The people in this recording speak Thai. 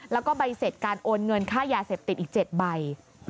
แล้วก็ใบเสร็จการโอนเงินค่ายาเสพติดอีก๗ใบ